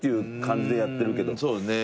そうね。